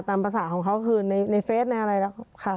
ตามภาษาของเขาคือในเฟสในอะไรแล้วค่ะ